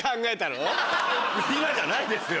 今じゃないですよ。